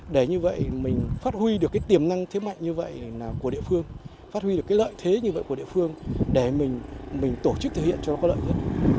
để như vậy mình phát huy được cái tiềm năng thế mạnh như vậy của địa phương phát huy được cái lợi thế như vậy của địa phương để mình tổ chức thực hiện cho nó có lợi nhất